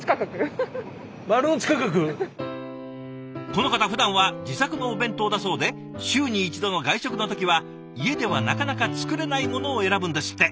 この方ふだんは自作のお弁当だそうで週に１度の外食の時は家ではなかなか作れないものを選ぶんですって。